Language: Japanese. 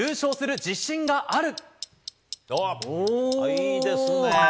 いいですね。